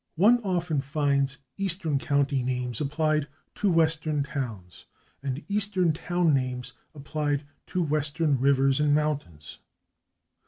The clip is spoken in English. One often finds eastern county names applied to western towns and eastern town names applied to western rivers and mountains.